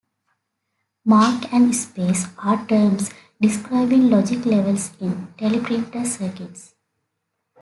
"Mark" and "space" are terms describing logic levels in teleprinter circuits.